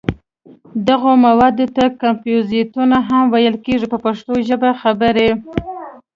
دغو موادو ته کمپوزېټونه هم ویل کېږي په پښتو ژبه خبرې.